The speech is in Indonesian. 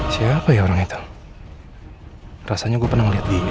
sampai jumpa di video selanjutnya